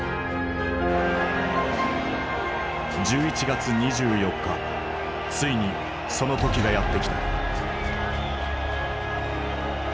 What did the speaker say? １１月２４日ついにその時がやって来た。